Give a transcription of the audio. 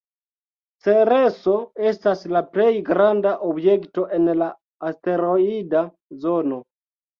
Cereso estas la plej granda objekto en la asteroida zono.